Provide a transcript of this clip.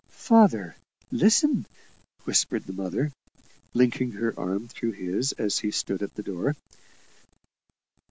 "Father, listen!" whispered the mother, linking her arm through his as he stood at the door.